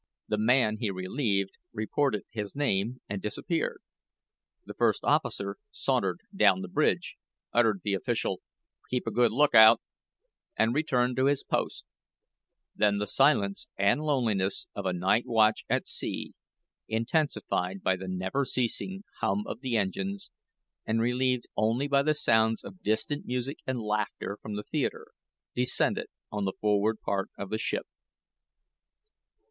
The man he relieved reported his name, and disappeared; the first officer sauntered down the bridge, uttered the official, "keep a good lookout," and returned to his post; then the silence and loneliness of a night watch at sea, intensified by the never ceasing hum of the engines, and relieved only by the sounds of distant music and laughter from the theater, descended on the forward part of the ship.